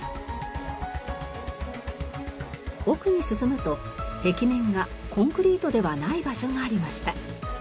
奥に進むと壁面がコンクリートではない場所がありました。